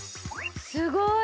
すごい！